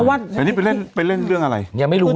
อันนี้ไปเล่นเรื่องอะไรยังไม่รู้เลย